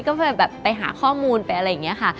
ก็ไปแบบไปหาข้อมูลไปอะไรอย่างนี้ค่ะ